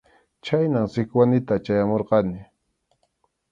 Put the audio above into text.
Chhaynam Sikwanita chayamurqani.